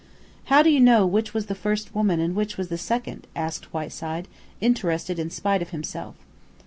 "How do you know which was the first woman and which was the second?" asked Whiteside, interested in spite of himself.